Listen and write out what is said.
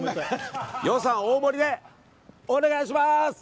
予算大盛りでお願いします！